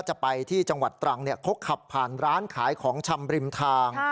จะไปที่จังหวัดตรังเขาขับผ่านร้านขายของชำริมทาง